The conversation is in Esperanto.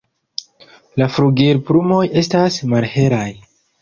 La flugilplumoj estas malhelaj.